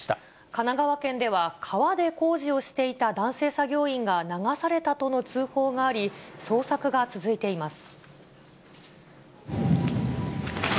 神奈川県では、川で工事をしていた男性作業員が流されたとの通報があり、捜索が続いています。